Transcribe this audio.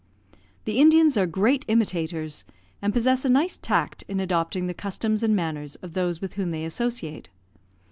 The Indians are great imitators, and possess a nice tact in adopting the customs and manners of those with whom they associate.